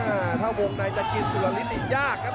อ้าเท่าวงในจะกินสุรินิศยากครับ